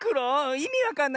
いみわかんない。